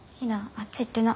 あっち行ってな。